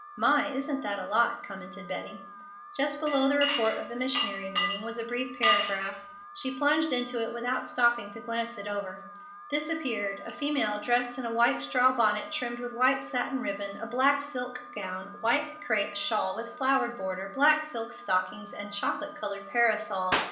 "My! Isn't that a lot!" commented Betty. Just below the report of the missionary meeting was a brief paragraph. She plunged into it without stopping to glance it over. "Disappeared. A female dressed in a white straw bonnet trimmed with white satin ribbon, a black silk gown, white crêpe shawl with flowered border, black silk stockings, and chocolate colored parasol."